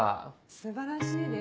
素晴らしいです。